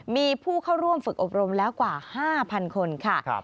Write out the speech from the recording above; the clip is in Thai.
มีผู้เข้าร่วมฝึกอบรมแล้วกว่า๕๐๐คนค่ะ